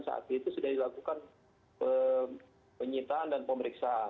saat itu sudah dilakukan penyitaan dan pemeriksaan